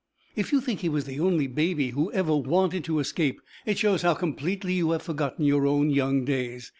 If you think he was the only baby who ever wanted to escape, it shows how completely you have forgotten your own young days.